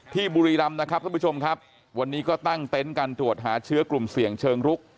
บุรีรำนะครับท่านผู้ชมครับวันนี้ก็ตั้งเต็นต์การตรวจหาเชื้อกลุ่มเสี่ยงเชิงรุก